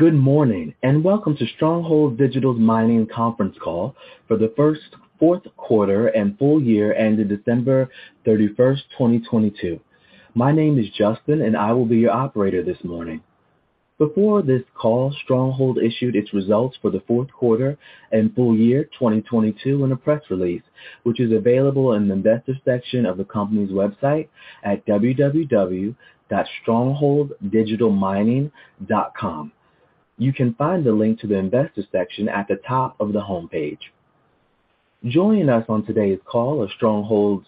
Welcome to Stronghold Digital Mining conference call for the fourth quarter and full year ended December 31st, 2022. My name is Justin, I will be your operator this morning. Before this call, Stronghold issued its results for the fourth quarter and full year 2022 in a press release, which is available in the investor section of the company's website at www.strongholddigitalmining.com. You can find the link to the investor section at the top of the homepage. Joining us on today's call are Stronghold's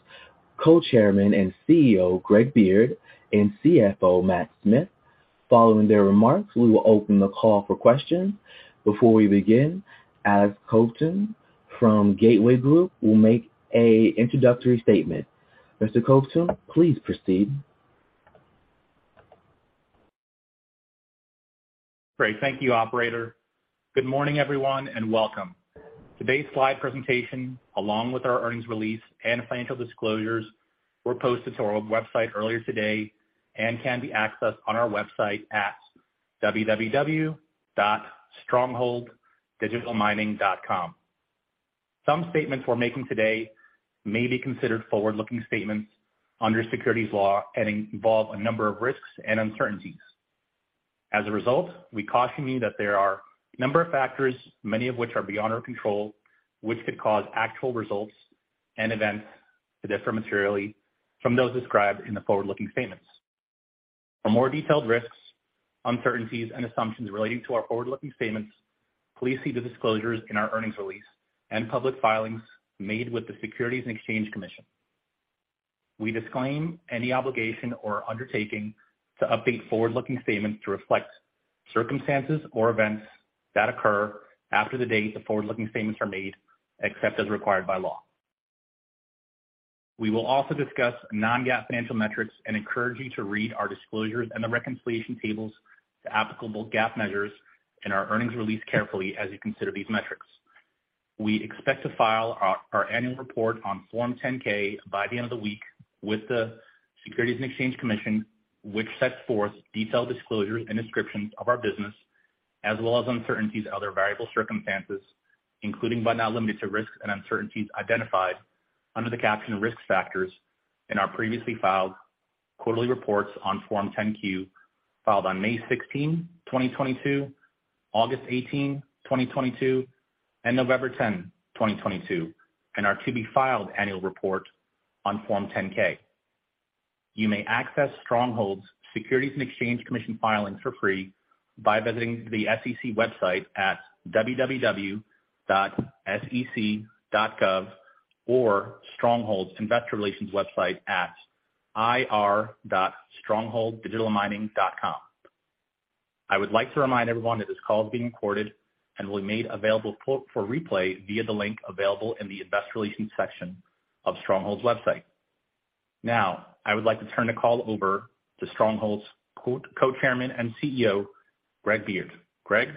Co-chairman and CEO, Greg Beard, and CFO, Matthew Smith. Following their remarks, we will open the call for questions. Before we begin, Alex Kovtun from Gateway Group will make an introductory statement. Mr. Kovtun, please proceed. Great. Thank you, operator. Good morning, everyone, and welcome. Today's slide presentation, along with our earnings release and financial disclosures, were posted to our website earlier today and can be accessed on our website at www.strongholddigitalmining.com. Some statements we're making today may be considered forward-looking statements under securities law and involve a number of risks and uncertainties. As a result, we caution you that there are a number of factors, many of which are beyond our control, which could cause actual results and events to differ materially from those described in the forward-looking statements. For more detailed risks, uncertainties, and assumptions relating to our forward-looking statements, please see the disclosures in our earnings release and public filings made with the Securities and Exchange Commission. We disclaim any obligation or undertaking to update forward-looking statements to reflect circumstances or events that occur after the date the forward-looking statements are made, except as required by law. We will also discuss non-GAAP financial metrics and encourage you to read our disclosures and the reconciliation tables to applicable GAAP measures in our earnings release carefully as you consider these metrics. We expect to file our annual report on Form 10-K by the end of the week with the Securities and Exchange Commission, which sets forth detailed disclosures and descriptions of our business, as well as uncertainties and other variable circumstances, including but not limited to risks and uncertainties identified under the caption Risk Factors in our previously filed quarterly reports on Form 10-Q filed on May 16, 2022, August 18, 2022, and November 10, 2022, and our to-be-filed annual report on Form 10-K. You may access Stronghold's Securities and Exchange Commission filings for free by visiting the SEC website at www.sec.gov or Stronghold's investor relations website at ir.strongholddigitalmining.com. I would like to remind everyone that this call is being recorded and will be made available for replay via the link available in the investor relations section of Stronghold's website. I would like to turn the call over to Stronghold's Co-Chairman and Chief Executive Officer, Greg Beard. Greg?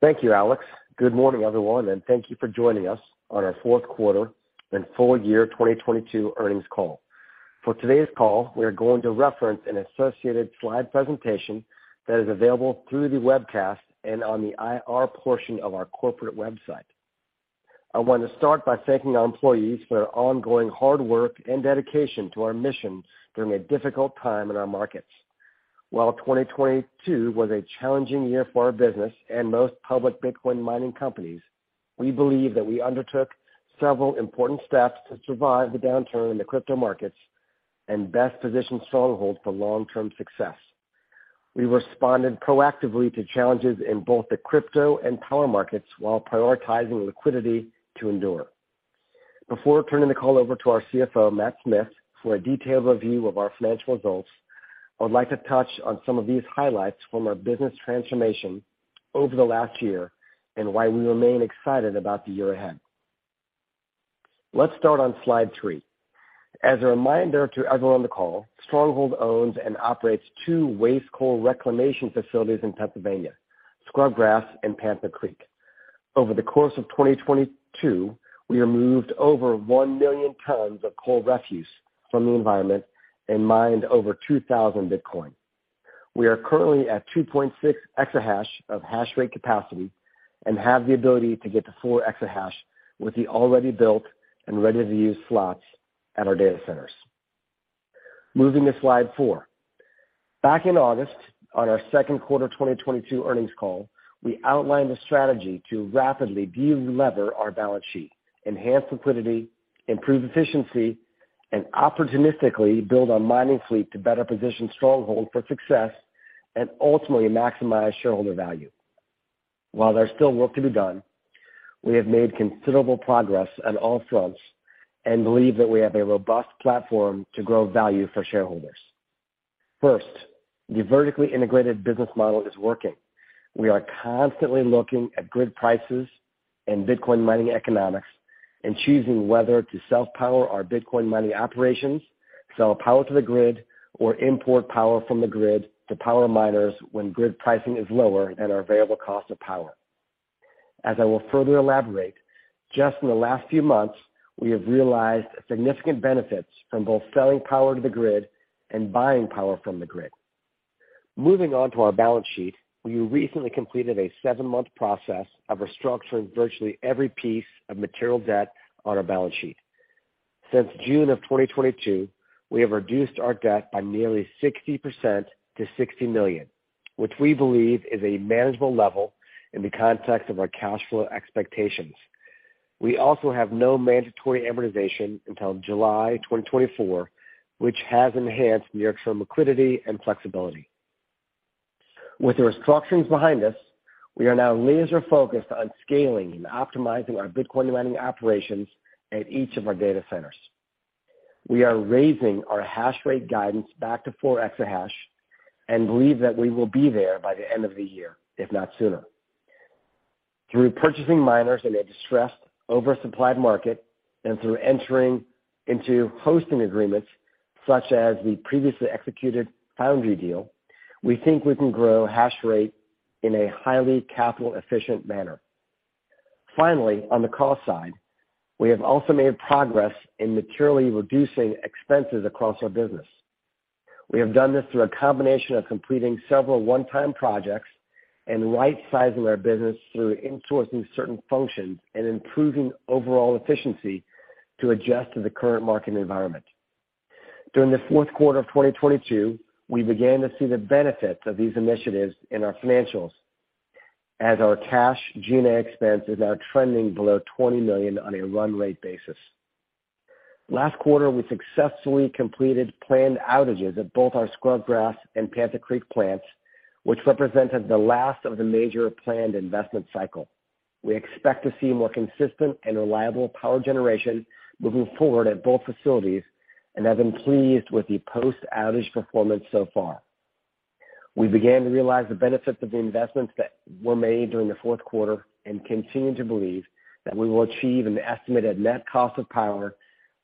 Thank you, Alex. Good morning, everyone, and thank you for joining us on our fourth quarter and full year 2022 earnings call. For today's call, we are going to reference an associated slide presentation that is available through the webcast and on the IR portion of our corporate website. I want to start by thanking our employees for their ongoing hard work and dedication to our mission during a difficult time in our markets. While 2022 was a challenging year for our business and most public Bitcoin mining companies, we believe that we undertook several important steps to survive the downturn in the crypto markets and best position Stronghold for long-term success. We responded proactively to challenges in both the crypto and power markets while prioritizing liquidity to endure. Before turning the call over to our CFO, Matt Smith, for a detailed review of our financial results, I would like to touch on some of these highlights from our business transformation over the last year and why we remain excited about the year ahead. Let's start on slide 3. As a reminder to everyone on the call, Stronghold owns and operates two waste coal reclamation facilities in Pennsylvania, Scrubgrass and Panther Creek. Over the course of 2022, we removed over 1 million tons of coal refuse from the environment and mined over 2,000 Bitcoin. We are currently at 2.6 exahash of hash rate capacity and have the ability to get to 4 exahash with the already built and ready-to-use slots at our data centers. Moving to slide 4. Back in August, on our second quarter 2022 earnings call, we outlined a strategy to rapidly delever our balance sheet, enhance liquidity, improve efficiency, and opportunistically build our mining fleet to better position Stronghold for success and ultimately maximize shareholder value. While there's still work to be done, we have made considerable progress on all fronts and believe that we have a robust platform to grow value for shareholders. First, the vertically integrated business model is working. We are constantly looking at grid prices and Bitcoin mining economics and choosing whether to self-power our Bitcoin mining operations, sell power to the grid, or import power from the grid to power miners when grid pricing is lower than our available cost of power. As I will further elaborate, just in the last few months, we have realized significant benefits from both selling power to the grid and buying power from the grid. Moving on to our balance sheet. We recently completed a seven-month process of restructuring virtually every piece of material debt on our balance sheet. Since June of 2022, we have reduced our debt by nearly 60% to $60 million, which we believe is a manageable level in the context of our cash flow expectations. We also have no mandatory amortization until July 2024, which has enhanced liquidity and flexibility. With the restructurings behind us, we are now laser-focused on scaling and optimizing our Bitcoin mining operations at each of our data centers. We are raising our hash rate guidance back to 4 exahash and believe that we will be there by the end of the year, if not sooner. Through purchasing miners in a distressed, oversupplied market and through entering into hosting agreements such as the previously executed Foundry deal, we think we can grow hash rate in a highly capital efficient manner. Finally, on the cost side, we have also made progress in materially reducing expenses across our business. We have done this through a combination of completing several one-time projects and rightsizing our business through insourcing certain functions and improving overall efficiency to adjust to the current market environment. During the fourth quarter of 2022, we began to see the benefits of these initiatives in our financials as our cash G&A expenses are trending below $20 million on a run rate basis. Last quarter, we successfully completed planned outages at both our Scrubgrass and Panther Creek plants, which represented the last of the major planned investment cycle. We expect to see more consistent and reliable power generation moving forward at both facilities and have been pleased with the post-outage performance so far. We began to realize the benefits of the investments that were made during the fourth quarter and continue to believe that we will achieve an estimated net cost of power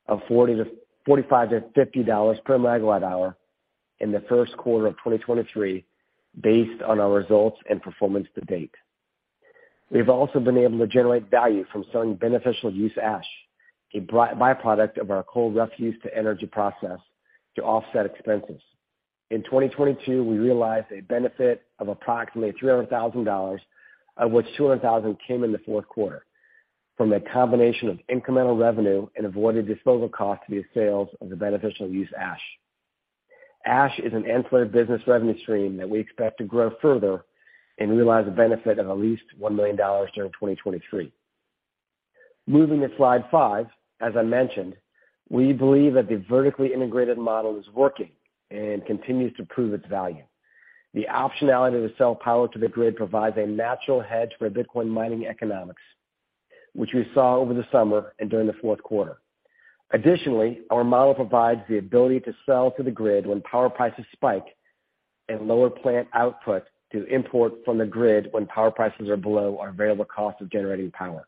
of $45 to $50 per MWh in the first quarter of 2023, based on our results and performance to date. We've also been able to generate value from selling beneficial use ash, a byproduct of our coal refuse to energy process to offset expenses. In 2022, we realized a benefit of approximately $300,000, of which $200,000 came in the fourth quarter from a combination of incremental revenue and avoided disposal costs via sales of the beneficial use ash. Ash is an ancillary business revenue stream that we expect to grow further and realize a benefit of at least $1 million during 2023. Moving to slide 5, as I mentioned, we believe that the vertically integrated model is working and continues to prove its value. The optionality to sell power to the grid provides a natural hedge for Bitcoin mining economics, which we saw over the summer and during the fourth quarter. Additionally, our model provides the ability to sell to the grid when power prices spike and lower plant output to import from the grid when power prices are below our available cost of generating power.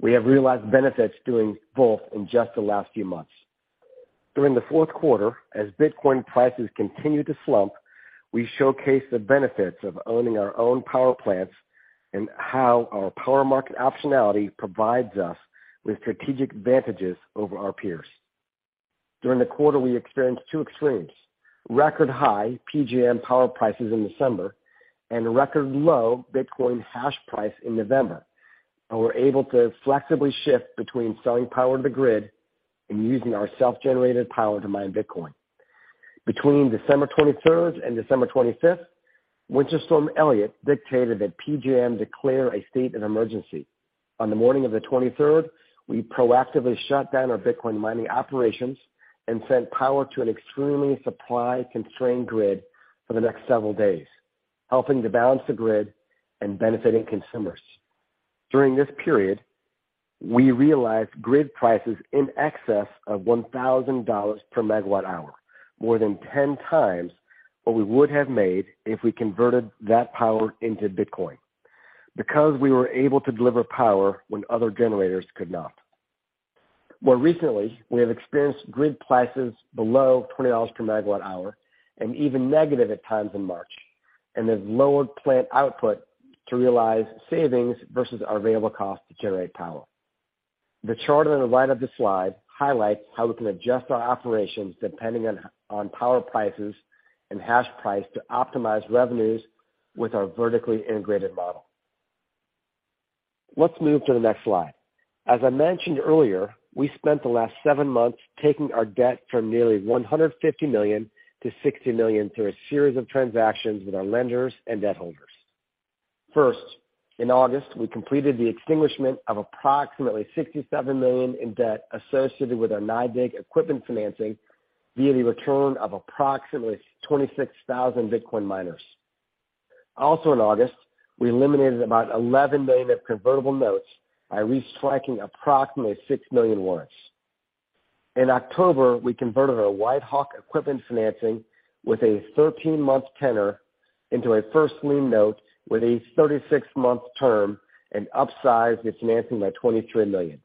We have realized benefits doing both in just the last few months. During the fourth quarter, as Bitcoin prices continued to slump, we showcased the benefits of owning our own power plants and how our power market optionality provides us with strategic advantages over our peers. During the quarter, we experienced two extremes. Record high PJM power prices in December and record low Bitcoin hash price in November. We're able to flexibly shift between selling power to the grid and using our self-generated power to mine Bitcoin. Between December 23rd and December 25th, Winter Storm Elliott dictated that PJM declare a state of emergency. On the morning of the 23rd, we proactively shut down our Bitcoin mining operations and sent power to an extremely supply-constrained grid for the next several days, helping to balance the grid and benefiting consumers. During this period, we realized grid prices in excess of $1,000 per MWh, more than 10x what we would have made if we converted that power into Bitcoin because we were able to deliver power when other generators could not. More recently, we have experienced grid prices below $20 per MWh and even negative at times in March and have lowered plant output to realize savings versus our available cost to generate power. The chart on the right of the slide highlights how we can adjust our operations depending on power prices and hash price to optimize revenues with our vertically integrated model. Let's move to the next slide. As I mentioned earlier, we spent the last seven months taking our debt from nearly $150 million to $60 million through a series of transactions with our lenders and debt holders. First, in August, we completed the extinguishment of approximately $67 million in debt associated with our NYDIG equipment financing via the return of approximately 26,000 Bitcoin miners. Also in August, we eliminated about $11 million of convertible notes by restriking approximately $6 million warrants. In October, we converted our WhiteHawk equipment financing with a 13-month tenor into a first lien note with a 36-month term and upsized the financing by $23 million.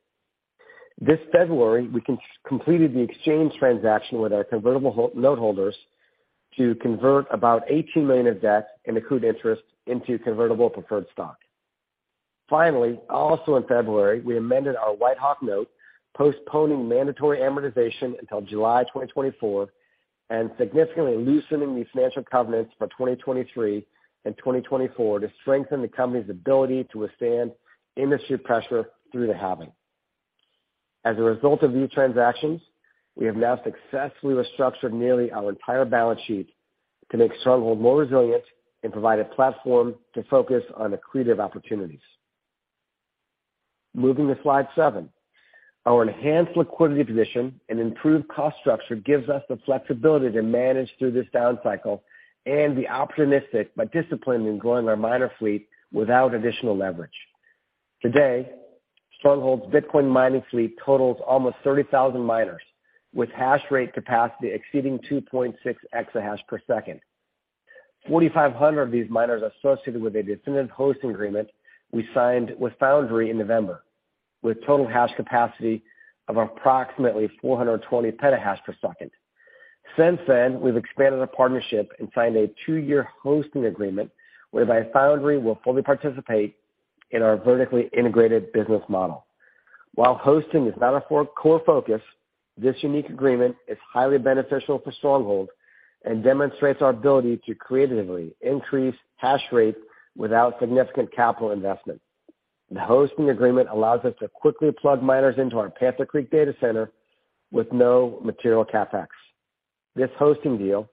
This February, we completed the exchange transaction with our convertible noteholders to convert about $18 million of debt and accrued interest into convertible preferred stock. Finally, also in February, we amended our WhiteHawk note, postponing mandatory amortization until July 2024. Significantly loosening the financial covenants for 2023 and 2024 to strengthen the company's ability to withstand industry pressure through the halving. As a result of these transactions, we have now successfully restructured nearly our entire balance sheet to make Stronghold more resilient and provide a platform to focus on accretive opportunities. Moving to slide 7. Our enhanced liquidity position and improved cost structure gives us the flexibility to manage through this down cycle and be opportunistic but disciplined in growing our miner fleet without additional leverage. Today, Stronghold's Bitcoin mining fleet totals almost 30,000 miners, with hash rate capacity exceeding 2.6 exahash per second. 4,500 of these miners are associated with a definitive hosting agreement we signed with Foundry in November, with total hash capacity of approximately 420 petahash per second. Since then, we've expanded our partnership and signed a 2-year hosting agreement whereby Foundry will fully participate in our vertically integrated business model. While hosting is not a core focus, this unique agreement is highly beneficial for Stronghold and demonstrates our ability to creatively increase hash rate without significant capital investment. The hosting agreement allows us to quickly plug miners into our Panther Creek data center with no material CapEx. This hosting deal,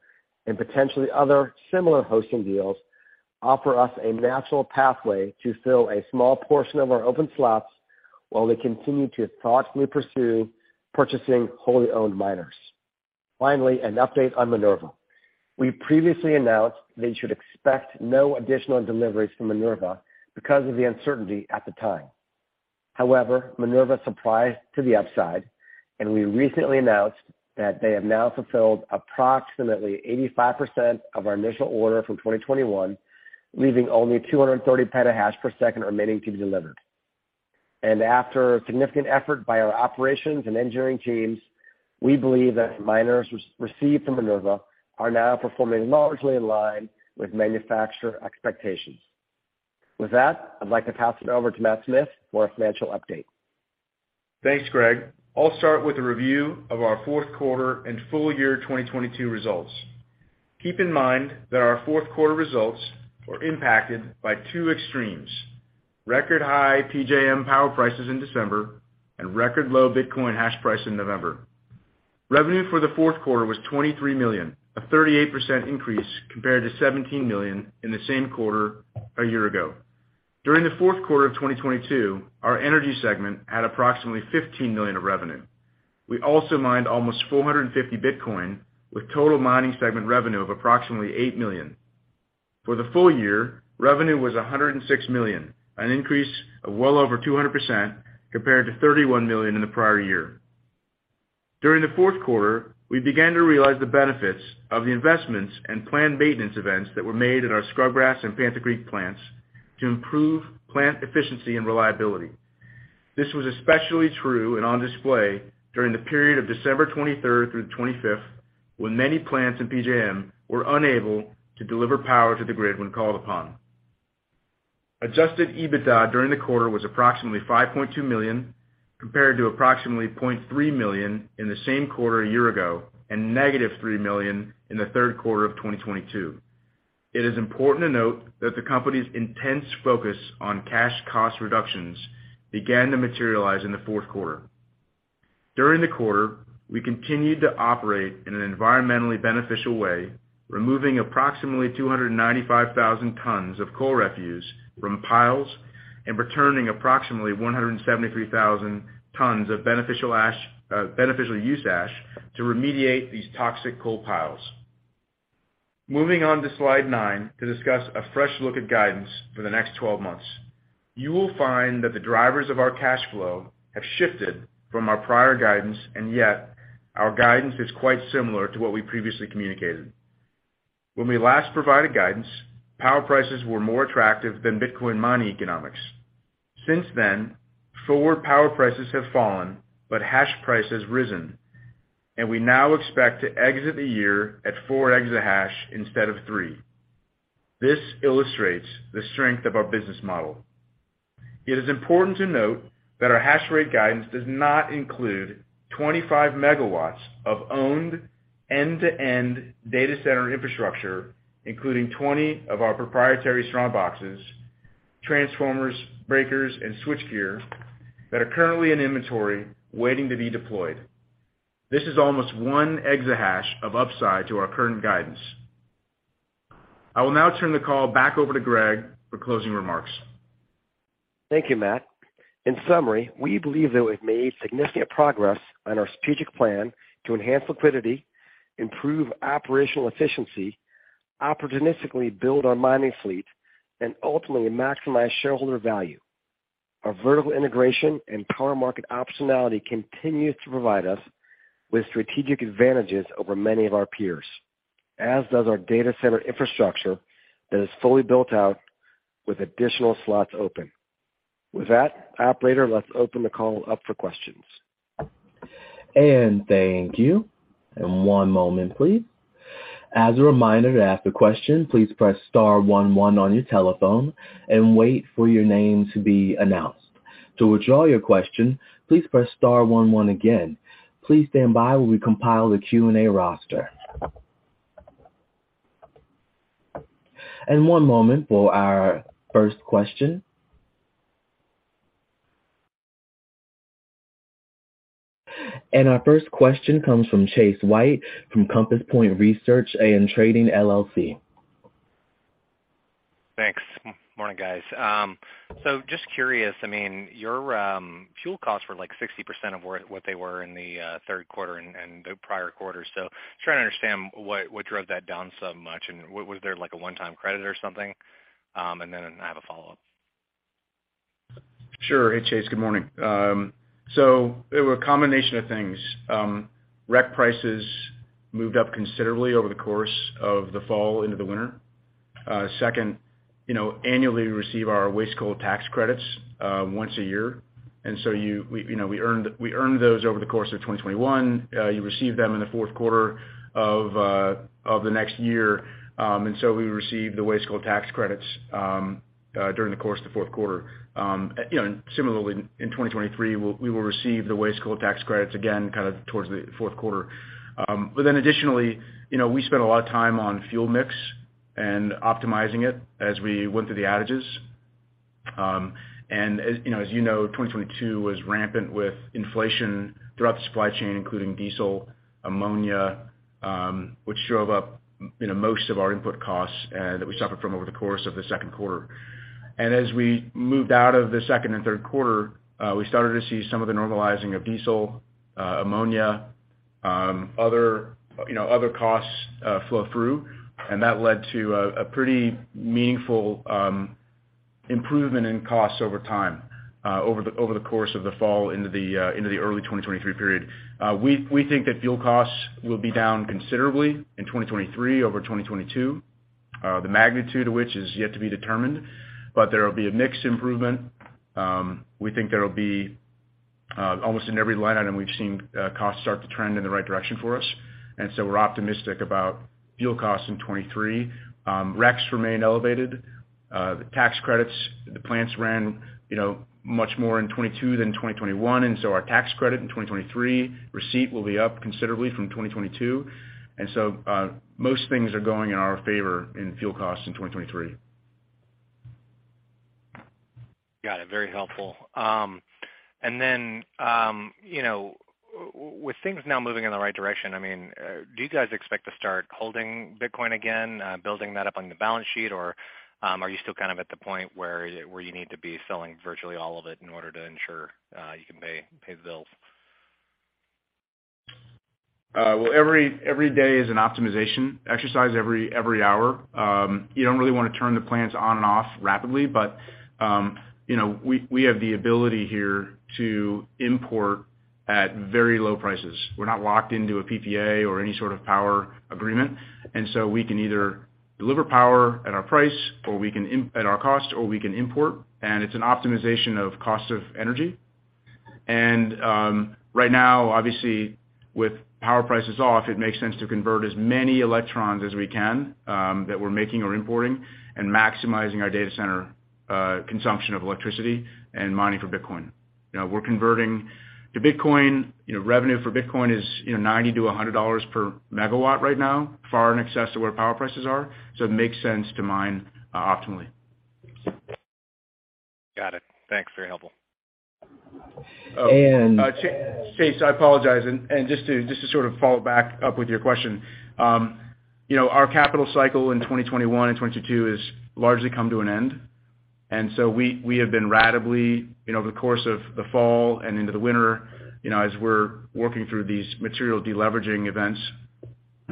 and potentially other similar hosting deals, offer us a natural pathway to fill a small portion of our open slots while we continue to thoughtfully pursue purchasing wholly owned miners. An update on MinerVa. We previously announced that you should expect no additional deliveries from MinerVa because of the uncertainty at the time. MinerVa surprised to the upside, and we recently announced that they have now fulfilled approximately 85% of our initial order from 2021, leaving only 230 petahash per second remaining to be delivered. After a significant effort by our operations and engineering teams, we believe that miners re-received from MinerVa are now performing largely in line with manufacturer expectations. With that, I'd like to pass it over to Matt Smith for a financial update. Thanks, Greg. I'll start with a review of our fourth quarter and full year 2022 results. Keep in mind that our fourth quarter results were impacted by two extremes: record high PJM power prices in December and record low Bitcoin hash price in November. Revenue for the fourth quarter was $23 million, a 38% increase compared to $17 million in the same quarter a year ago. During the fourth quarter of 2022, our energy segment had approximately $15 million of revenue. We also mined almost 450 Bitcoin, with total mining segment revenue of approximately $8 million. For the full year, revenue was $106 million, an increase of well over 200% compared to $31 million in the prior year. During the fourth quarter, we began to realize the benefits of the investments and planned maintenance events that were made at our Scrubgrass and Panther Creek plants to improve plant efficiency and reliability. This was especially true and on display during the period of December 23rd through the 25th, when many plants in PJM were unable to deliver power to the grid when called upon. Adjusted EBITDA during the quarter was approximately $5.2 million, compared to approximately $0.3 million in the same quarter a year ago, and -$3 million in the third quarter of 2022. It is important to note that the company's intense focus on cash cost reductions began to materialize in the fourth quarter. During the quarter, we continued to operate in an environmentally beneficial way, removing approximately 295,000 tons of coal refuse from piles and returning approximately 173,000 tons of beneficial use ash to remediate these toxic coal piles. Moving on to slide 9 to discuss a fresh look at guidance for the next 12 months. You will find that the drivers of our cash flow have shifted from our prior guidance, and yet our guidance is quite similar to what we previously communicated. When we last provided guidance, power prices were more attractive than Bitcoin mining economics. Since then, forward power prices have fallen, but hash price has risen, and we now expect to exit the year at 4 exahash instead of 3 exahash. This illustrates the strength of our business model. It is important to note that our hash rate guidance does not include 25 MW of owned end-to-end data center infrastructure, including 20 of our proprietary Strong Boxes, transformers, breakers, and switchgear that are currently in inventory waiting to be deployed. This is almost 1 exahash of upside to our current guidance. I will now turn the call back over to Greg for closing remarks. Thank you, Matt. In summary, we believe that we've made significant progress on our strategic plan to enhance liquidity, improve operational efficiency, opportunistically build our mining fleet, and ultimately maximize shareholder value. Our vertical integration and power market optionality continues to provide us with strategic advantages over many of our peers, as does our data center infrastructure that is fully built out with additional slots open. With that, operator, let's open the call up for questions. Thank you. One moment please. As a reminder, to ask a question, please press star one one on your telephone and wait for your name to be announced. To withdraw your question, please press star one one again. Please stand by while we compile the Q&A roster. One moment for our first question. Our first question comes from Chase White from Compass Point Research & Trading, LLC. Thanks. Morning, guys. Just curious, I mean your fuel costs were, like, 60% of what they were in the third quarter and the prior quarter. Trying to understand what drove that down so much and was there, like, a one-time credit or something? Then I have a follow-up. Sure. Hey, Chase, good morning. It were a combination of things. REC prices moved up considerably over the course of the fall into the winter. Second, you know, annually we receive our waste coal tax credits once a year. We, you know, we earned those over the course of 2021. You receive them in the fourth quarter of the next year. We received the waste coal tax credits during the course of the fourth quarter. You know, similarly, in 2023, we will receive the waste coal tax credits again kinda towards the fourth quarter. Additionally, you know, we spent a lot of time on fuel mix and optimizing it as we went through the outages. As, you know, as you know, 2022 was rampant with inflation throughout the supply chain, including diesel, ammonia, which drove up, you know, most of our input costs that we suffered from over the course of the second quarter. As we moved out of the second and third quarter, we started to see some of the normalizing of diesel, ammonia, other, you know, other costs flow through, and that led to a pretty meaningful improvement in costs over time, over the course of the fall into the early 2023 period. We think that fuel costs will be down considerably in 2023 over 2022, the magnitude of which is yet to be determined, but there will be a mixed improvement. We think there will be almost in every line item we've seen costs start to trend in the right direction for us, we're optimistic about fuel costs in 2023. RECs remain elevated. The tax credits, the plants ran, you know, much more in 2022 than 2021, our tax credit in 2023 receipt will be up considerably from 2022. Most things are going in our favor in fuel costs in 2023. Got it. Very helpful. You know, with things now moving in the right direction, I mean, do you guys expect to start holding Bitcoin again, building that up on the balance sheet? Or, are you still kind of at the point where you need to be selling virtually all of it in order to ensure, you can pay the bills? Well, every day is an optimization exercise every hour. You don't really wanna turn the plants on and off rapidly, but, you know, we have the ability here to import at very low prices. We're not locked into a PPA or any sort of power agreement. We can either deliver power at our price, or we can at our cost, or we can import, and it's an optimization of cost of energy. Right now, obviously, with power prices off, it makes sense to convert as many electrons as we can, that we're making or importing and maximizing our data center consumption of electricity and mining for Bitcoin. You know, we're converting the Bitcoin, you know, revenue for Bitcoin is, you know, $90 to $100 per MWh right now, far in excess to where power prices are. It makes sense to mine, optimally. Got it. Thanks. Very helpful. And- Chase, I apologize. Just to sort of follow back up with your question, you know, our capital cycle in 2021 and 2022 has largely come to an end. We have been ratably, you know, over the course of the fall and into the winter, you know, as we're working through these material de-leveraging events,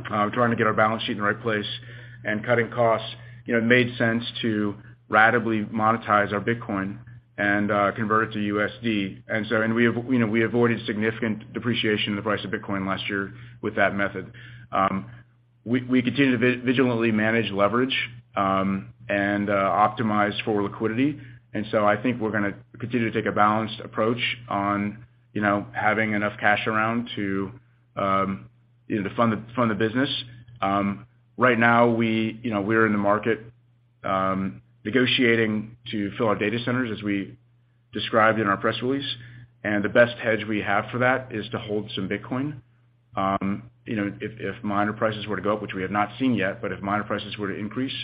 trying to get our balance sheet in the right place and cutting costs, you know, it made sense to ratably monetize our Bitcoin and convert it to USD. We have, you know, we avoided significant depreciation in the price of Bitcoin last year with that method. We continue to vigilantly manage leverage and optimize for liquidity. I think we're gonna continue to take a balanced approach on, having enough cash around to fund the business. Right now we're in the market, negotiating to fill our data centers, as we described in our press release, and the best hedge we have for that is to hold some Bitcoin. If miner prices were to go up, which we have not seen yet, but if miner prices were to increase,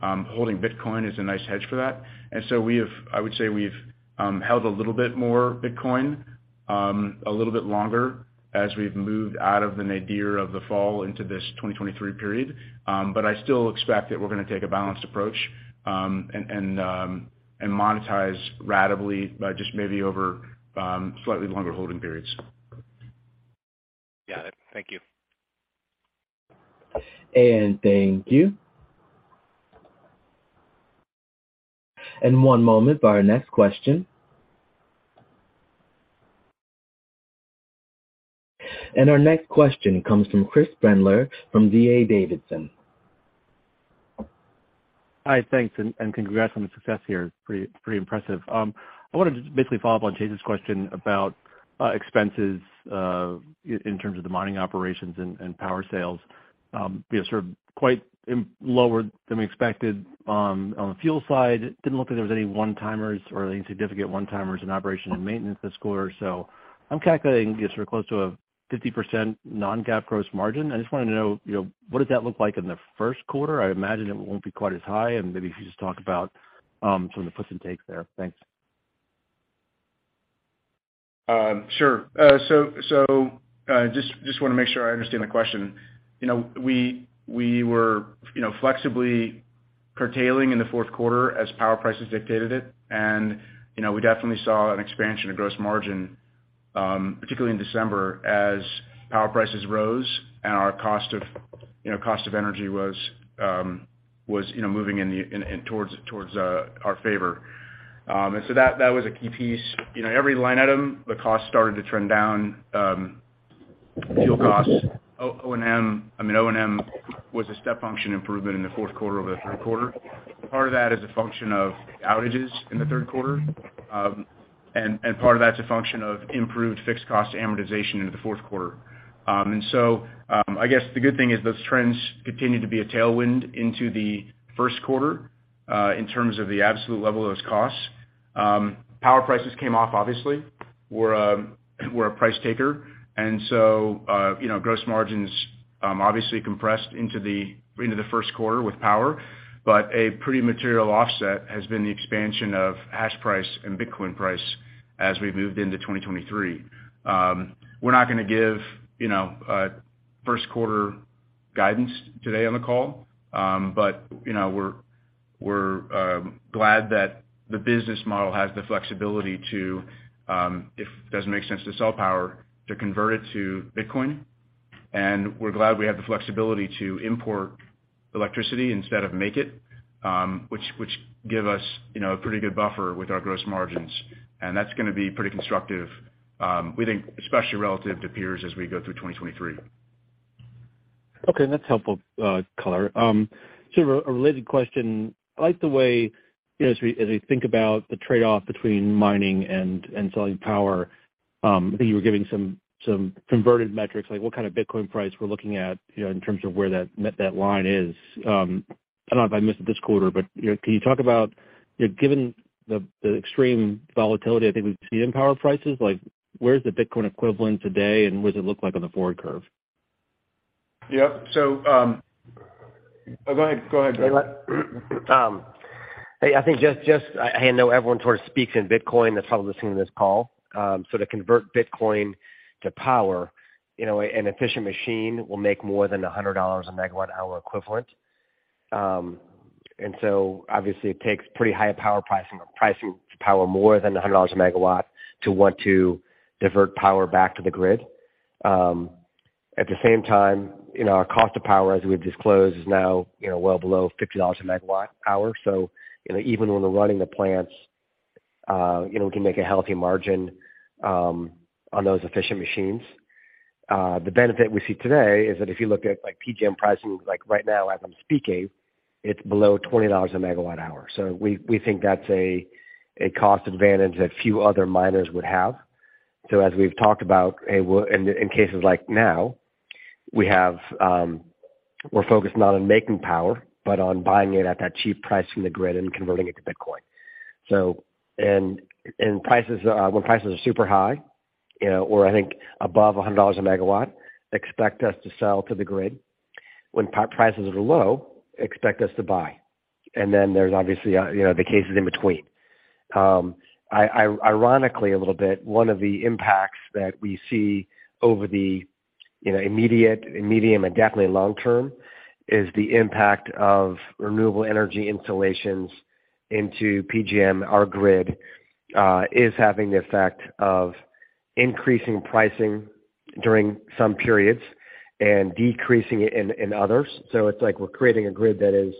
holding Bitcoin is a nice hedge for that. I would say we've held a little bit more Bitcoin, a little bit longer as we've moved out of the nadir of the fall into this 2023 period.I still expect that we're gonna take a balanced approach, and monetize ratably by just maybe over, slightly longer holding periods. Got it. Thank you. Thank you. One moment for our next question. Our next question comes from Chris Brendler from D.A. Davidson. Hi. Thanks and congrats on the success here. It's pretty impressive. I wanted to just basically follow up on Chase's question about expenses in terms of the mining operations and power sales. You know, sort of quite lower than we expected on the fuel side. It didn't look like there was any one-timers or any significant one-timers in operation and maintenance this quarter. I'm calculating just sort of close to a 50% non-GAAP gross margin. I just wanted to know, you know, what does that look like in the first quarter? I'd imagine it won't be quite as high and maybe if you could just talk about some of the puts and takes there. Thanks. Sure. So, just wanna make sure I understand the question. You know, we were, you know, flexibly curtailing in the fourth quarter as power prices dictated it. You know, we definitely saw an expansion of gross margin, particularly in December as power prices rose and our cost of, you know, cost of energy was, you know, moving towards our favor. That was a key piece. You know, every line item, the cost started to trend down, fuel costs. O&M, I mean, O&M was a step function improvement in the fourth quarter over the third quarter. Part of that is a function of outages in the third quarter, and part of that's a function of improved fixed cost amortization into the fourth quarter. I guess the good thing is those trends continue to be a tailwind into the first quarter in terms of the absolute level of those costs. Power prices came off obviously. We're a price taker, you know, gross margins obviously compressed into the first quarter with power, but a pretty material offset has been the expansion of hash price and Bitcoin price as we've moved into 2023. We're not gonna give, you know, first quarter guidance today on the call, you know, we're glad that the business model has the flexibility to if it doesn't make sense to sell power, to convert it to Bitcoin. We're glad we have the flexibility to import electricity instead of make it, which give us, you know, a pretty good buffer with our gross margins. That's gonna be pretty constructive, we think especially relative to peers as we go through 2023. Okay. That's helpful color. Sort of a related question. I like the way, you know, as we think about the trade-off between mining and selling power, I think you were giving some converted metrics, like what kind of Bitcoin price we're looking at, you know, in terms of where that line is. I don't know if I missed it this quarter, but, you know, can you talk about, you know, given the extreme volatility I think we've seen in power prices, like where's the Bitcoin equivalent today and what does it look like on the forward curve? Yep. Oh, go ahead, Greg. I think just I know everyone sort of speaks in Bitcoin that's probably listening to this call. To convert Bitcoin to power, you know, an efficient machine will make more than $100 a MWh equivalent. Obviously it takes pretty high power pricing power more than $100 a MW to want to divert power back to the grid. At the same time, you know, our cost of power, as we've disclosed, is now, you know, well below $50 a MWh. You know, even when we're running the plants, you know, we can make a healthy margin on those efficient machines. The benefit we see today is that if you look at like PJM pricing, like right now as I'm speaking, it's below $20 a MWh We think that's a cost advantage that few other miners would have. As we've talked about, in cases like now, we have, we're focused not on making power, but on buying it at that cheap price from the grid and converting it to Bitcoin. And prices, when prices are super high, you know, or I think above $100 a MW, expect us to sell to the grid. When prices are low, expect us to buy. There's obviously, you know, the cases in between. Ironically, a little bit, one of the impacts that we see over the, you know, immediate, medium, and definitely long term is the impact of renewable energy installations into PJM. Our grid is having the effect of increasing pricing during some periods and decreasing it in others. It's like we're creating a grid that is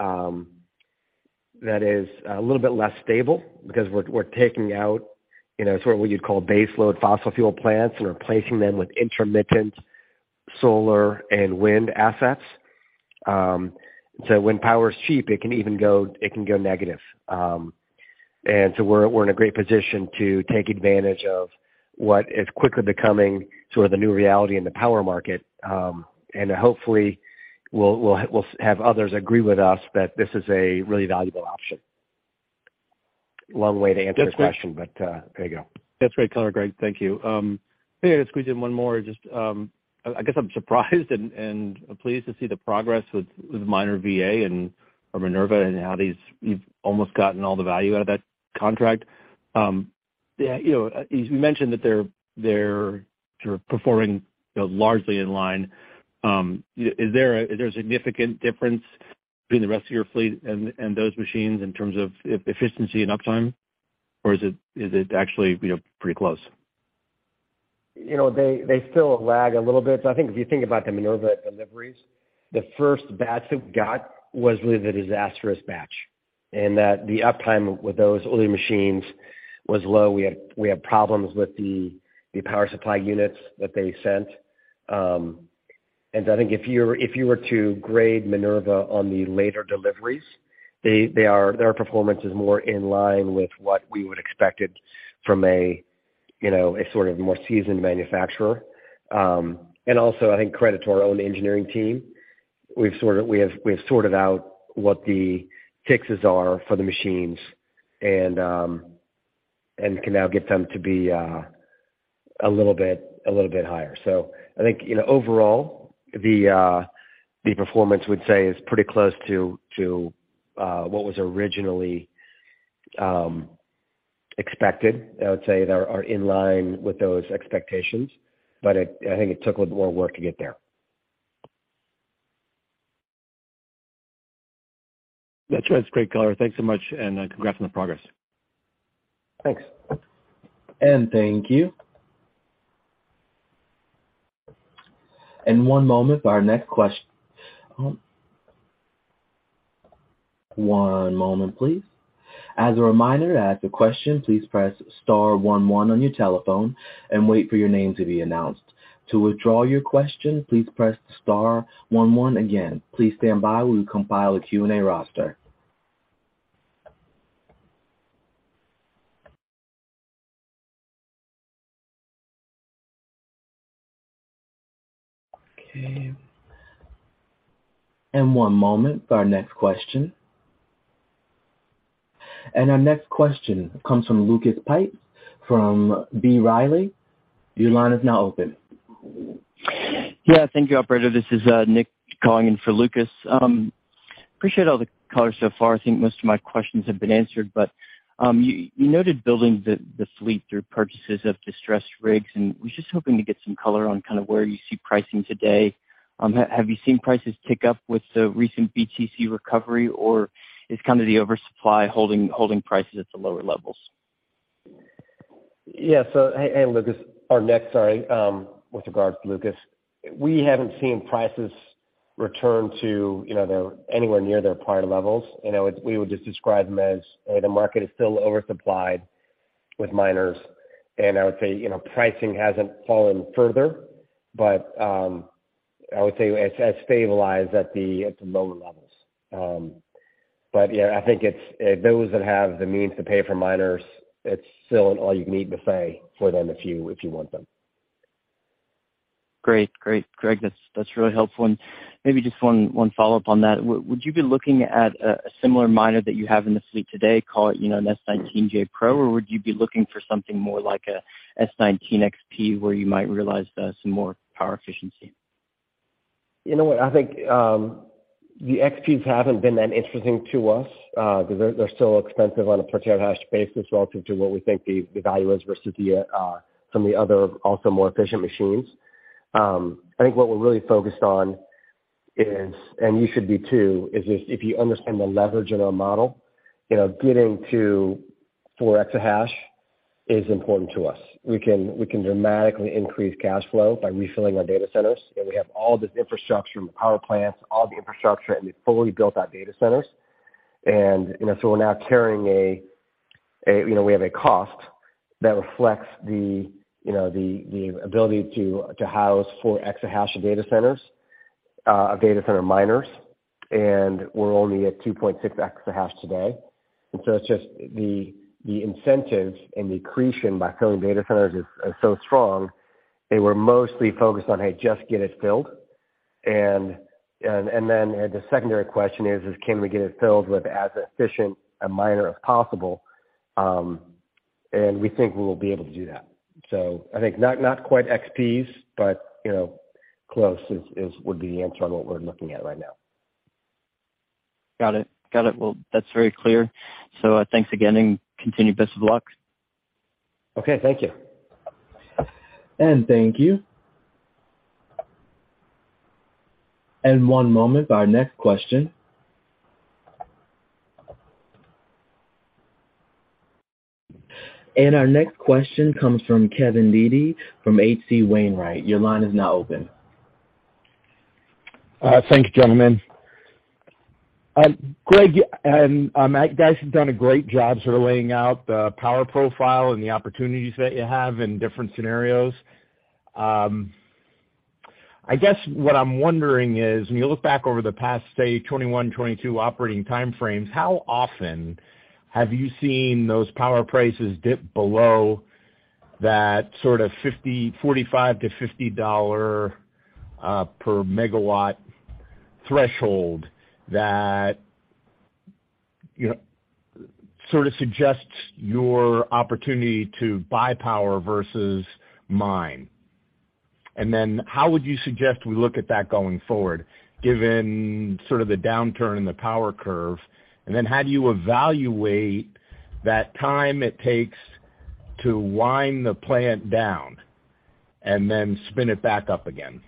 a little bit less stable because we're taking out, you know, sort of what you'd call baseload fossil fuel plants and replacing them with intermittent solar and wind assets. So when power is cheap, it can even go negative. We're in a great position to take advantage of what is quickly becoming sort of the new reality in the power market. Hopefully we'll have others agree with us that this is a really valuable option. Long way to answer the question, there you go. That's great color, Greg. Thank you. Maybe I could squeeze in one more. Just, I guess I'm surprised and pleased to see the progress with MinerVa and, or MinerVa and how you've almost gotten all the value out of that contract. Yeah, you know, as you mentioned that they're sort of performing, you know, largely in line. Is there a significant difference between the rest of your fleet and those machines in terms of efficiency and uptime, or is it, is it actually, you know, pretty close? You know, they still lag a little bit. I think if you think about the MinerVa deliveries, the first batch that we got was really the disastrous batch. That the uptime with those older machines was low. We had problems with the power supply units that they sent. I think if you're, if you were to grade MinerVa on the later deliveries, their performance is more in line with what we would expected from a, you know, a sort of more seasoned manufacturer. Also, I think credit to our own engineering team. We've sort of, we have sorted out what the fixes are for the machines and can now get them to be a little bit higher. I think, you know, overall the performance would say is pretty close to what was originally expected. I would say they are in line with those expectations, but I think it took a little more work to get there. That's great color. Thanks so much and, congrats on the progress. Thanks. Thank you. One moment for our next question. One moment please. As a reminder, to ask a question, please press star one one on your telephone and wait for your name to be announced. To withdraw your question, please press star one one again. Please stand by while we compile a Q&A roster. Okay, one moment for our next question. Our next question comes from Lucas Pipes from B. Riley. Your line is now open. Yeah, thank you, operator. This is Nick calling in for Lucas. Appreciate all the color so far. I think most of my questions have been answered, but you noted building the fleet through purchases of distressed rigs, and was just hoping to get some color on kind of where you see pricing today. Have you seen prices tick up with the recent BTC recovery, or is kind of the oversupply holding prices at the lower levels? Yeah. Hey, Lucas or Nick, sorry. With regards to Lucas, we haven't seen prices return to, you know, their, anywhere near their prior levels. You know, we would just describe them as the market is still oversupplied with miners. I would say, you know, pricing hasn't fallen further. I would say it's stabilized at the lower levels. Yeah, I think it's, those that have the means to pay for miners, it's still all you need to say for them if you, if you want them. Great, Greg. That's really helpful. Maybe just one follow-up on that. Would you be looking at a similar miner that you have in the fleet today, call it, you know, an S19j Pro, or would you be looking for something more like a S19 XP where you might realize some more power efficiency? You know what? I think the XPs haven't been that interesting to us because they're still expensive on a per terahash basis relative to what we think the value is versus the some of the other also more efficient machines. I think what we're really focused on is, and you should be too, is if you understand the leverage in our model, you know, getting to 4 exahash is important to us. We can dramatically increase cash flow by refilling our data centers. You know, we have all this infrastructure from the power plants, all the infrastructure, and we fully built out data centers. You know, so we're now carrying a, you know, we have a cost that reflects the, you know, the ability to house 4 exahash of data centers, a data center miners, and we're only at 2.6 exahash today. It's just the incentives and the accretion by filling data centers is so strong. They were mostly focused on, hey, just get it filled. The secondary question is can we get it filled with as efficient a miner as possible? We think we will be able to do that. I think not quite XPs, but, you know, close is would be the answer on what we're looking at right now. Got it. Well, that's very clear. Thanks again and continued best of luck. Okay, thank you. Thank you. One moment for our next question. Our next question comes from Kevin Dede from H.C. Wainwright. Your line is now open. Thank you, gentlemen. Greg and Matt, you guys have done a great job sort of laying out the power profile and the opportunities that you have in different scenarios. I guess what I'm wondering is when you look back over the past, say, 2021, 2022 operating time frames, how often have you seen those power prices dip below that sort of $45 to $50 per MW threshold that, you know, sort of suggests your opportunity to buy power versus mine? Then how would you suggest we look at that going forward, given sort of the downturn in the power curve? Then how do you evaluate that time it takes to wind the plant down and then spin it back up again?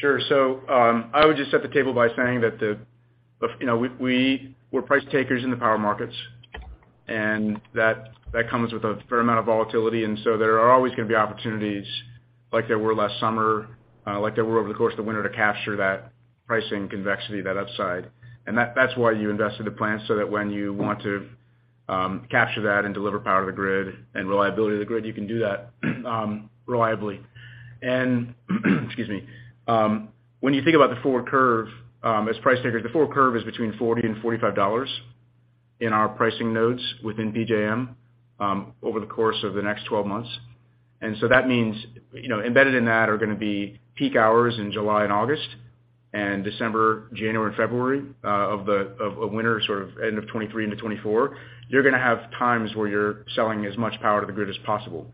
Sure. I would just set the table by saying that the, you know, we're price takers in the power markets. That comes with a fair amount of volatility. There are always gonna be opportunities like there were last summer, like there were over the course of the winter to capture that pricing convexity, that upside. That's why you invested the plant, so that when you want to, capture that and deliver power to the grid and reliability to the grid, you can do that reliably. Excuse me. When you think about the forward curve, as price takers, the forward curve is between $40 to $45 in our pricing nodes within PJM, over the course of the next 12 months. That means, you know, embedded in that are gonna be peak hours in July and August, and December, January, and February of winter, sort of end of 2023 into 2024. You're gonna have times where you're selling as much power to the grid as possible.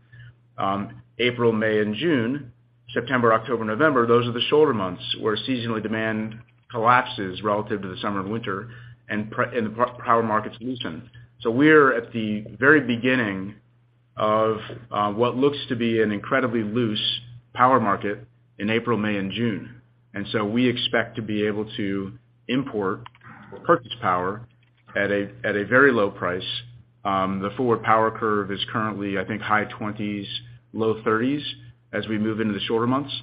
April, May and June, September, October, November, those are the shorter months where seasonally demand collapses relative to the summer and winter, and the power markets loosen. We're at the very beginning of what looks to be an incredibly loose power market in April, May and June. We expect to be able to import purchase power at a very low price. The forward power curve is currently, I think, high 20s, low 30s as we move into the shorter months.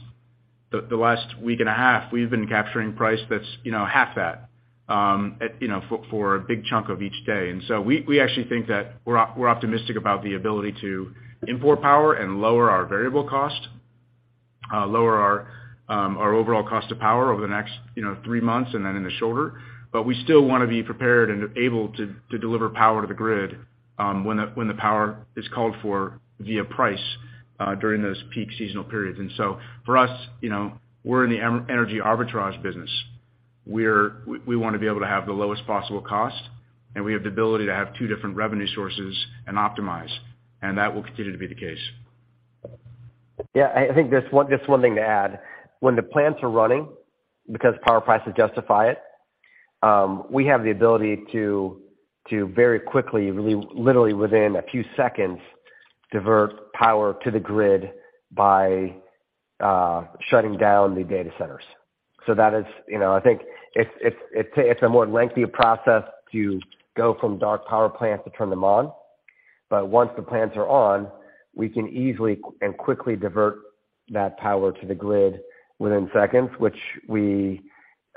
The last week and a half, we've been capturing price that's, you know, half that, at, you know, for a big chunk of each day. We actually think that we're optimistic about the ability to import power and lower our variable cost, lower our overall cost of power over the next, you know, three months and then in the shorter. We still wanna be prepared and able to deliver power to the grid, when the power is called for via price, during those peak seasonal periods. For us, you know, we're in the energy arbitrage business. We wanna be able to have the lowest possible cost, and we have the ability to have two different revenue sources and optimize, and that will continue to be the case. Yeah. I think just one thing to add. When the plants are running because power prices justify it, we have the ability to very quickly, really literally within a few seconds, divert power to the grid by shutting down the data centers. That is, you know, I think it's a more lengthier process to go from dark power plants to turn them on, but once the plants are on, we can easily and quickly divert that power to the grid within seconds, which we,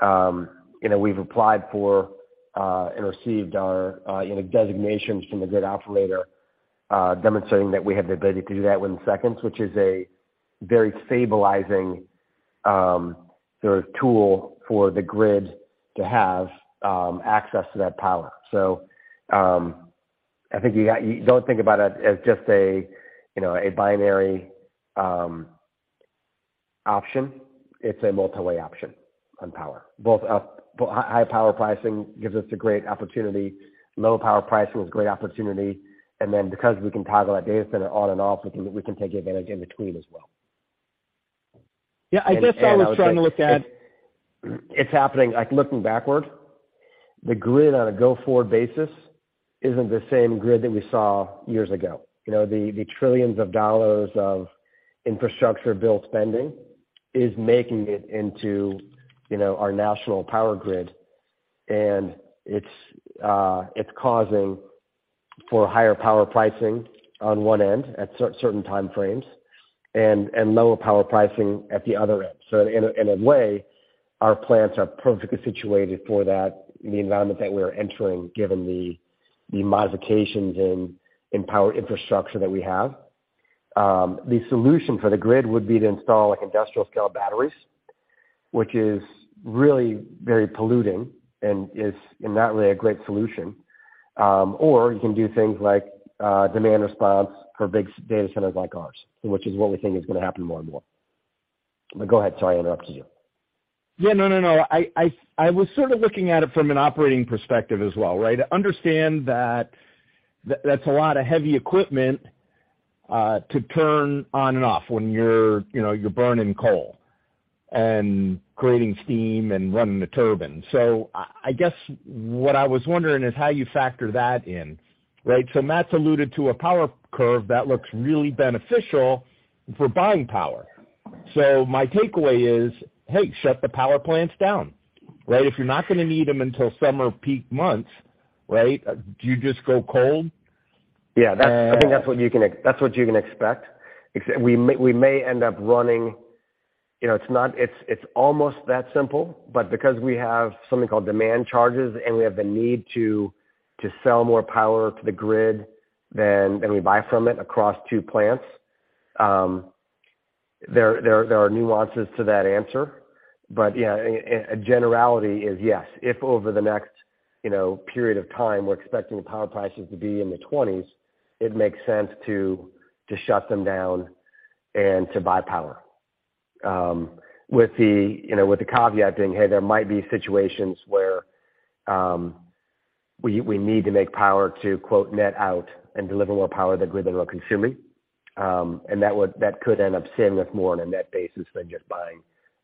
you know, we've applied for and received our, you know, designations from the grid operator, demonstrating that we have the ability to do that within seconds, which is a very stabilizing sort of tool for the grid to have access to that power. I think don't think about it as just a, you know, a binary option. It's a multi-way option on power. Both high power pricing gives us a great opportunity. Low power pricing is a great opportunity. Because we can toggle that data center on and off, we can take advantage in between as well. Yeah. I guess I was trying to. It's happening. Like, looking backward, the grid on a go-forward basis isn't the same grid that we saw years ago. You know, the trillions of dollars of infrastructure bill spending is making it into, you know, our national power grid. It's causing for higher power pricing on one end at certain time frames and lower power pricing at the other end. In a way, our plants are perfectly situated for that, the environment that we're entering, given the modifications in power infrastructure that we have. The solution for the grid would be to install like industrial scale batteries, which is really very polluting and is in that way a great solution. You can do things like demand response for big data centers like ours, which is what we think is gonna happen more and more. Go ahead. Sorry, I interrupted you. Yeah, no, no. I was sort of looking at it from an operating perspective as well, right? I understand that's a lot of heavy equipment to turn on and off when you're, you know, you're burning coal and creating steam and running the turbine. I guess what I was wondering is how you factor that in, right? Matt's alluded to a power curve that looks really beneficial for buying power. My takeaway is, hey, shut the power plants down, right? If you're not gonna need them until summer peak months, right? Do you just go cold? Yeah. I think that's what you can expect. We may end up running... You know, it's almost that simple, but because we have something called demand charges and we have the need to sell more power to the grid than we buy from it across two plants, there are nuances to that answer. Yeah, a generality is, yes, if over the next, you know, period of time we're expecting power prices to be in the 20s, it makes sense to shut them down and to buy power. With the, you know, caveat being, hey, there might be situations where we need to make power to quote, net out and deliver more power to the grid than we're consuming. That could end up saving us more on a net basis than just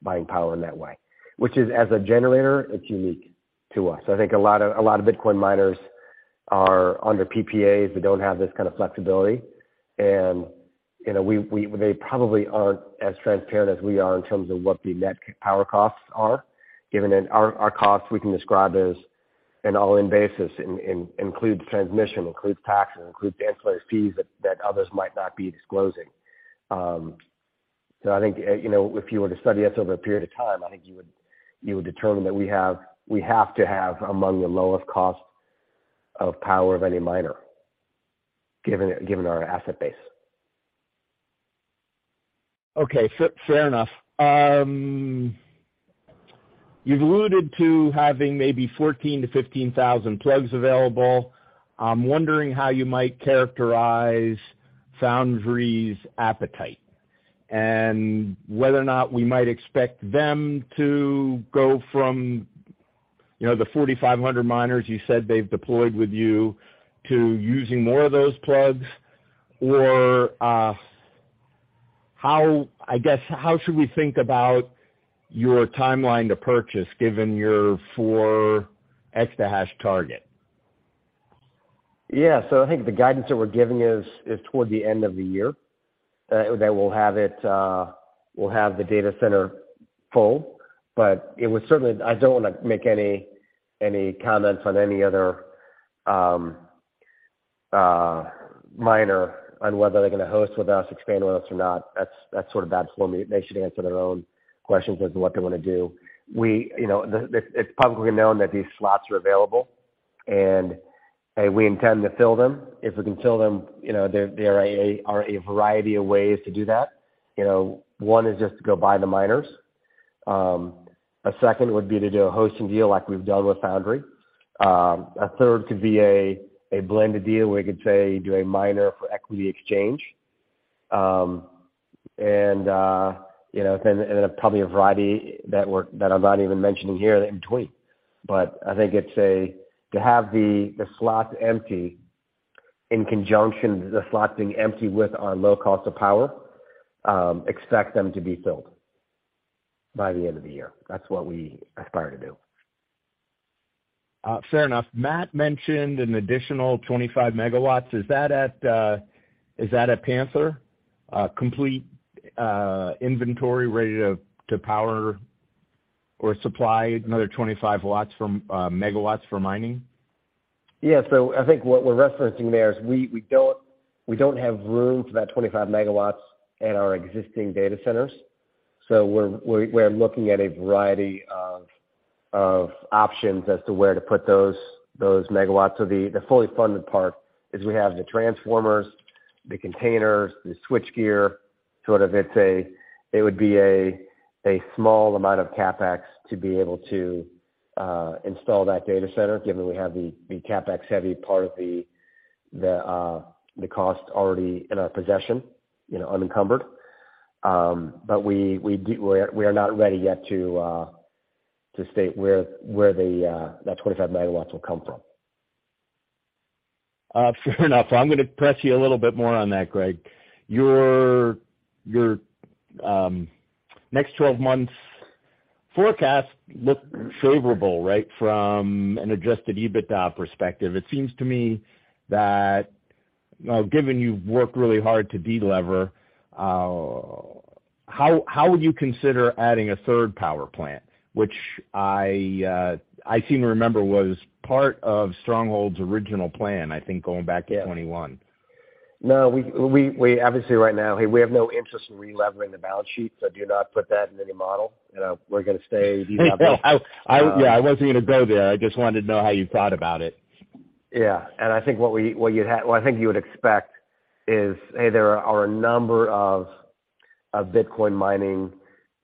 buying power in that way. Which is as a generator, it's unique to us. I think a lot of Bitcoin miners are under PPAs. They don't have this kind of flexibility. You know, they probably aren't as transparent as we are in terms of what the net power costs are, given that our costs we can describe as an all-in basis, includes transmission, includes taxes, includes ancillary fees that others might not be disclosing. I think, you know, if you were to study us over a period of time, I think you would determine that we have to have among the lowest cost of power of any miner, given our asset base. Okay, fair enough. You've alluded to having maybe 14,000 plugs to 15,000 plugs available. I'm wondering how you might characterize Foundry's appetite and whether or not we might expect them to go from, you know, the 4,500 miners you said they've deployed with you to using more of those plugs or, I guess, how should we think about your timeline to purchase given your 4 exahash target? I think the guidance that we're giving is toward the end of the year, that we'll have it, we'll have the data center full. It would certainly. I don't wanna make any comments on any other miner on whether they're gonna host with us, expand with us or not. That's sort of bad form. They should answer their own questions as to what they wanna do. You know, it's publicly known that these slots are available, and, A, we intend to fill them. If we can fill them, you know, there are a variety of ways to do that. You know, one is just to go buy the miners. A second would be to do a hosting deal like we've done with Foundry. A third could be a blended deal where we could, say, do a miner for equity exchange. You know, then probably a variety that I'm not even mentioning here in between. I think it's to have the slots empty in conjunction with the slots being empty with our low cost of power, expect them to be filled by the end of the year. That's what we aspire to do. Fair enough. Matt mentioned an additional 25 MW. Is that at Panther? A complete inventory ready to power or supply another 25 MW from mining? I think what we're referencing there is we don't have room for that 25 MW at our existing data centers. We're looking at a variety of options as to where to put those MW. The fully funded part is we have the transformers, the containers, the switchgear, sort of it would be a small amount of CapEx to be able to install that data center, given we have the CapEx-heavy part of the cost already in our possession, you know, unencumbered. We are not ready yet to state where the 25 MW will come from. Fair enough. I'm gonna press you a little bit more on that, Greg. Your, your next 12 months forecast look favorable, right? From an adjusted EBITDA perspective, it seems to me that, you know, given you've worked really hard to de-lever, how would you consider adding a third power plant, which I seem to remember was part of Stronghold's original plan, going back to 2021. No. We obviously right now, we have no interest in relevering the balance sheet, so do not put that in any model. You know, we're gonna stay de-levered. Yeah, I wasn't gonna go there. I just wanted to know how you thought about it. Yeah. I think what I think you would expect is, A, there are a number of Bitcoin mining operations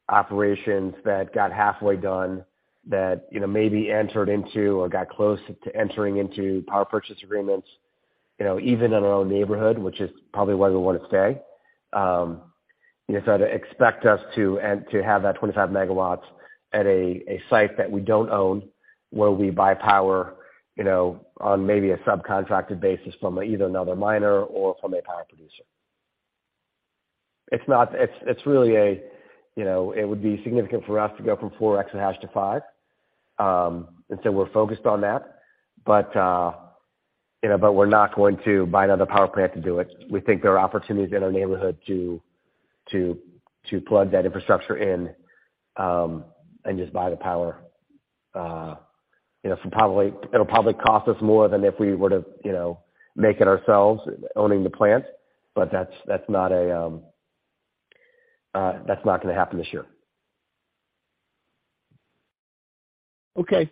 that got halfway done that, you know, maybe entered into or got close to entering into power purchase agreements, you know, even in our own neighborhood, which is probably where we wanna stay. You know, to expect us to have that 25 MW at a site that we don't own, where we buy power, you know, on maybe a subcontracted basis from either another miner or from a power producer. It's not, it's really a, you know, it would be significant for us to go from 4 exahash to 5 exahash. We're focused on that. You know, but we're not going to buy another power plant to do it. We think there are opportunities in our neighborhood to plug that infrastructure in, and just buy the power. You know, it'll probably cost us more than if we were to, you know, make it ourselves owning the plant. That's not a, that's not gonna happen this year. Okay.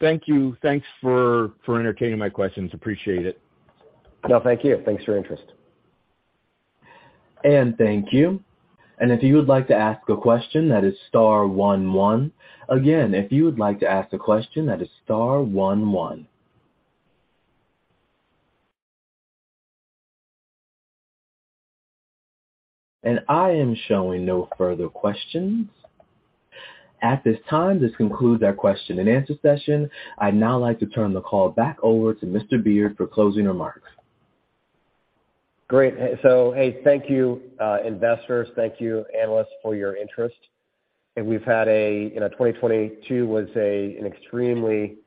Thank you. Thanks for entertaining my questions. Appreciate it. No, thank you. Thanks for your interest. Thank you. If you would like to ask a question, that is star one one. Again, if you would like to ask a question, that is star one one. I am showing no further questions. At this time, this concludes our question and answer session. I'd now like to turn the call back over to Mr. Beard for closing remarks. Great. Hey, thank you, investors, thank you, analysts, for your interest. I think we've had a, you know, 2022 was a, an extremely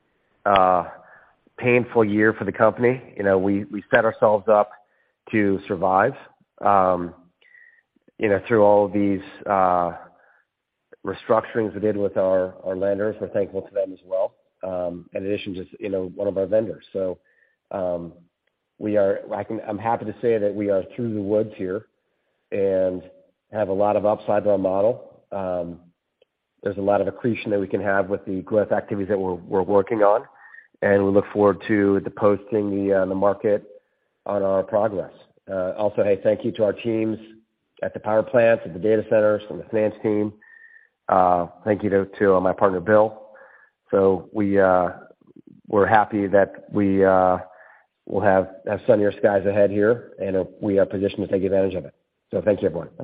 painful year for the company. You know, we set ourselves up to survive, you know, through all of these restructurings we did with our lenders. We're thankful to them as well. In addition, just, you know, one of our vendors. I'm happy to say that we are through the woods here and have a lot of upside to our model. There's a lot of accretion that we can have with the growth activities that we're working on, and we look forward to posting the market on our progress. Hey, thank you to our teams at the power plants, at the data centers, from the finance team. Thank you to my partner, Bill. We're happy that we'll have sunnier skies ahead here, and we are positioned to take advantage of it. Thank you, everyone.